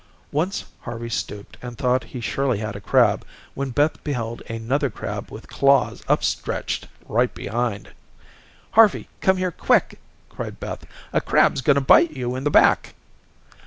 Once Harvey stooped and thought he surely had a crab, when Beth beheld another crab with claws upstretched right behind. "Harvey, come here quick," cried Beth; "a crab's going to bite you in the back."